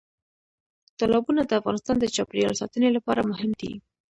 تالابونه د افغانستان د چاپیریال ساتنې لپاره مهم دي.